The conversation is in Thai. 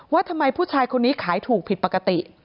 ว่าทำไมผู้ชายคนนี้ขายถูกผิดปกติ